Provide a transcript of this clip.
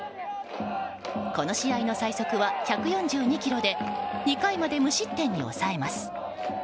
この試合の最速は１４２キロで２回まで無失点に抑えます。